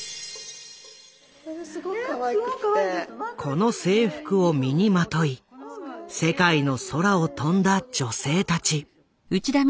この制服を身にまとい世界の空を飛んだ女性たち。